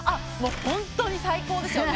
ホントに最高ですよね。